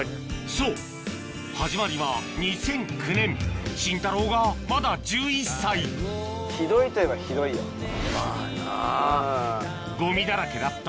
そう始まりは２００９年シンタローがまだ１１歳まぁな。